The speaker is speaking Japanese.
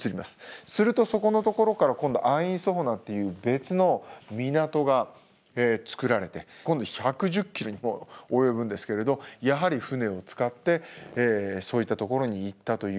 するとそこのところから今度アイン・ソホナっていう別の港がつくられて今度１１０ｋｍにも及ぶんですけれどやはり船を使ってそういったところに行ったというのが分かっています。